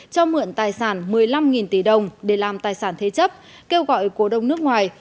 cho mượn tài sản một mươi năm tỷ đồng để làm tài sản thế chấp kêu gọi cổ đông nước ngoài